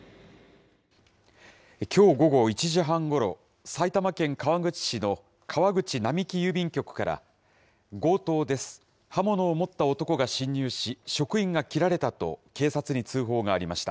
きょう午後１時半ごろ、埼玉県川口市の川口並木郵便局から、強盗です、刃物を持った男が侵入し、職員が切られたと警察に通報がありました。